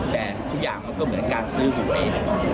แต่ทุกอย่างมันก็เหมือนการซื้อของเต้